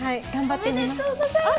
おめでとうございます。